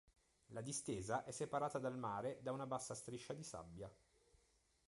La distesa è separata dal mare da una bassa striscia di sabbia.